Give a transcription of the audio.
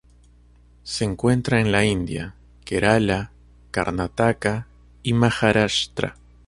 Se encuentra en la India: Kerala, Karnataka y Maharashtra.